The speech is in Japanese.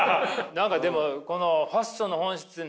何かでもファッションの本質何？